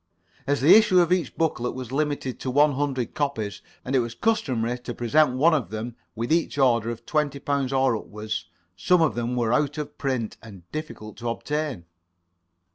As the issue of each booklet was limited to one hundred copies, and it was customary to present one of them with each order of £20 or upwards, some of them were out of print, and difficult to obtain.